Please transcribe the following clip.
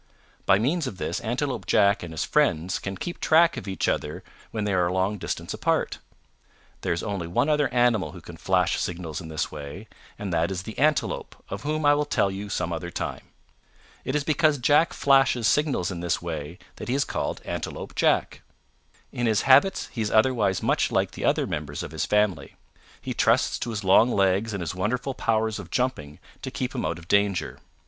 By means of this Antelope Jack and his friends can keep track of each other when they are a long distance apart. There is only one other animal who can flash signals in this way, and that is the Antelope of whom I will tell you some other time. It is because Jack flashes signals in this way that he is called Antelope Jack. In his habits he is otherwise much like the other members of his family. He trusts to his long legs and his wonderful powers of jumping to keep him out of danger.